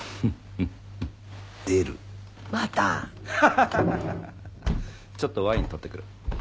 ハハハハちょっとワイン取って来る。